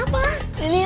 masih di hiu